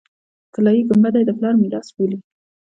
طلایي ګنبده یې د پلار میراث بولي.